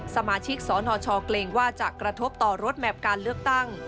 สมาชิกสนชเกรงว่าจะกระทบต่อรถแมพการเลือกตั้ง